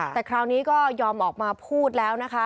แต่คราวนี้ก็ยอมออกมาพูดแล้วนะคะ